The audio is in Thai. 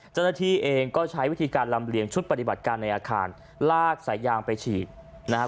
เจ้าหน้าที่เองก็ใช้วิธีการลำเลียงชุดปฏิบัติการในอาคารลากสายยางไปฉีดนะครับ